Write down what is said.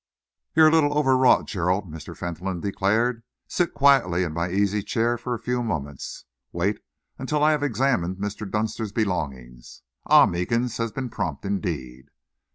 "You're a little overwrought, Gerald," Mr. Fentolin declared. "Sit quietly in my easy chair for a few moments. Wait until I have examined Mr. Dunster's belongings. Ah! Meekins has been prompt, indeed."